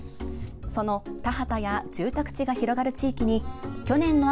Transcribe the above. その田畑や住宅地が広がる地域に去年の秋